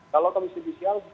kalau komisi judisial